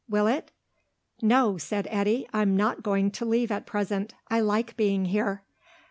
Will it?" "No," said Eddy. "I'm not going to leave at present. I like being here."